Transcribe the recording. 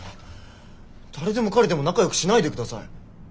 誰でも彼でも仲よくしないでください。